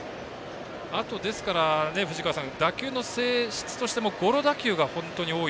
あと、打球の質としてもゴロ打球が本当に多い。